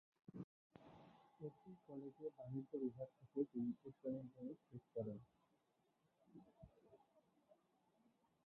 একই কলেজে বাণিজ্য বিভাগ থেকে তিনি উচ্চ-মাধ্যমিক শেষ করেন।